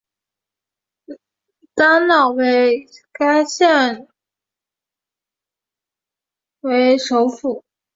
丹老为该县之首府。